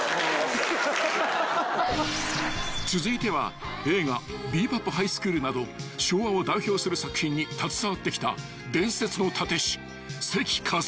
［続いては映画『ビー・バップ・ハイスクール』など昭和を代表する作品に携わってきた伝説の殺陣師瀬木一将さん］